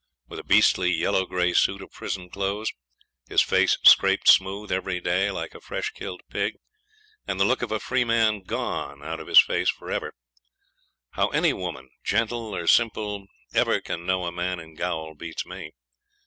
With a beastly yellow gray suit of prison clothes, his face scraped smooth every day, like a fresh killed pig, and the look of a free man gone out of his face for ever how any woman, gentle or simple, ever can know a man in gaol beats me.